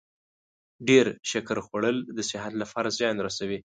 ډیر شکر خوړل د صحت لپاره زیان رسوي.